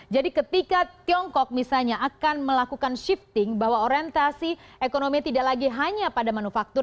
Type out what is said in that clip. jadi ketika tiongkok misalnya akan melakukan shifting bahwa orientasi ekonomi tidak lagi hanya pada manufaktur